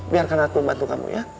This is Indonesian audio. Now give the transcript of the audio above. biarkan aku membantu kamu ya